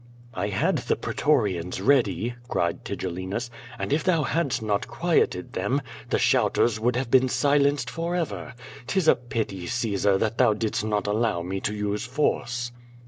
"I had the pretorians ready," cried Tigellinus, "and if thou hadst not quieted them, the shouters woulcj have been si 346 ^^'^ VADI8. lenced forever. 'Tis a pity, Caesar, that thou did&t not allow me to use force."